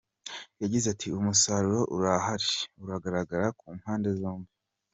Yagize ati ‘‘Umusaruro urahari, uragaragara ku mpande zombi.